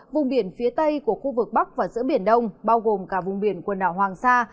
vùng biển phía tây của khu vực bắc và giữa biển đông bao gồm cả vùng biển quần đảo hoàng sa